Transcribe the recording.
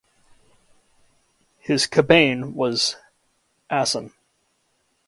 His "kabane" was Ason.